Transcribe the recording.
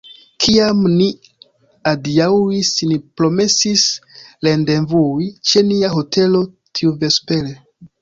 Kiam ni adiaŭis, ni promesis rendevui ĉe nia hotelo tiuvespere.